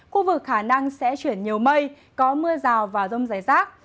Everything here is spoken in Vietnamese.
khu vực khả năng sẽ chuyển nhiều mây có mưa rào và rông dày rác